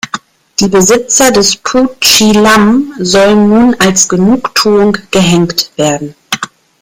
Die Besitzer des "Poo Chi Lam" sollen nun als Genugtuung gehängt werden.